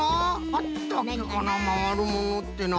あったっけかなまわるものってな。